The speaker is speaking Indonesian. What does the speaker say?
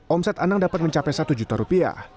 omset anang dapat mencapai satu juta rupiah